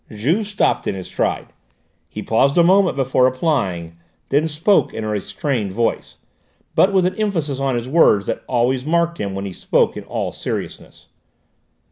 Juve stopped in his stride. He paused a moment before replying; then spoke in a restrained voice, but with an emphasis on his words that always marked him when he spoke in all seriousness.